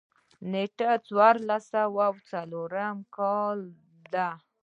نېټه د څوارلس سوه څلورم کال ده.